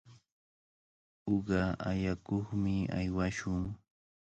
Uqa allakuqmi aywashun.